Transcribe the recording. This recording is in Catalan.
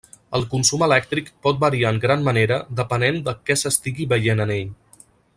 El consum elèctric pot variar en gran manera depenent de què s'estigui veient en ell.